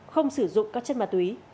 hưng sử dụng các chất mà túy